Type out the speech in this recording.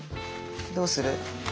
どうする？